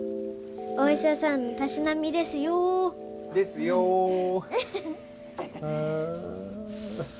お医者さんのたしなみですよ！ですよ！フフフ。うう。